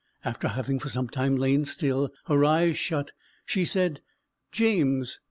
After having for some time lain still her eyes shut, she said "James!"